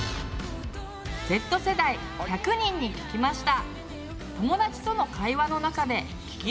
Ｚ世代１００人に聞きました。